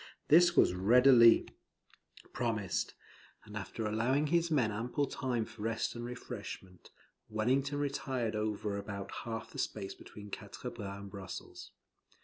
This was readily promised; and after allowing his men ample time for rest and refreshment, Wellington retired over about half the space between Quatre Bras and Brussels.